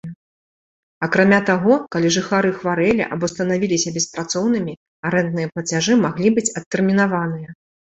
Акрамя таго, калі жыхары хварэлі або станавіліся беспрацоўнымі, арэндныя плацяжы маглі быць адтэрмінаваныя.